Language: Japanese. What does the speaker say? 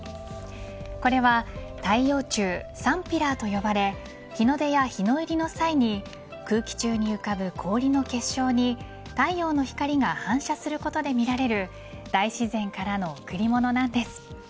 これは、太陽柱サンピラーと呼ばれ日の出や日の入りの際に空気中に浮かぶ氷の結晶に太陽の光が反射することで見られる大自然からの贈り物なんです。